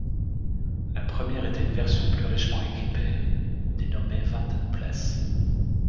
La première était une version plus richement équipée, dénommée Vanden Plas.